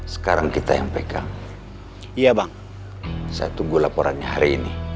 saya tunggu laporannya hari ini